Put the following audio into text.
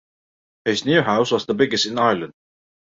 His new house was the biggest in Ireland.